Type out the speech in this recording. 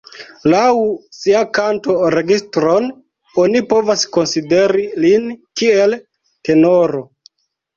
Laŭ sia kanto-registron, oni povas konsideri lin kiel tenoro.